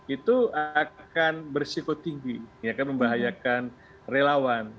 itu akan bersiko tinggi akan membahayakan relawan